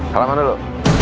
salah mana lu